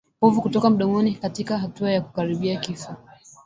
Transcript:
Povu kutoka mdomoni katika hatua ya kukaribia kifo